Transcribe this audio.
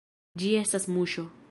Ĝi estas muŝo.